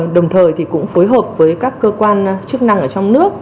đồng thời thì cũng phối hợp với các cơ quan chức năng ở trong nước